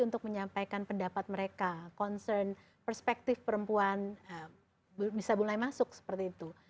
untuk menyampaikan pendapat mereka concern perspektif perempuan bisa mulai masuk seperti itu